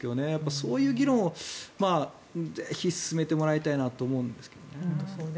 そういう議論をぜひ進めてもらいたいなと思うんですけどね。